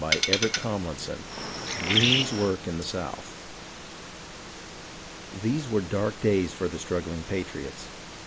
CHAPTER XXXI Greene's work in the south These were dark days for the struggling patriots.